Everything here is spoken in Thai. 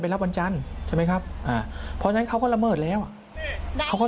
ทีมข่านเราไปสอบถามต้นสังกัดของฝ่ายอดีตสามีนะคะ